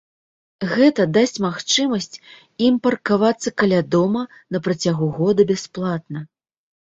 Гэта дасць магчымасць ім паркавацца каля дома на працягу года бясплатна.